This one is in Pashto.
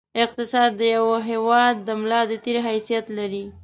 اقتصاد د یوه هېواد د ملا د تېر حیثیت لري.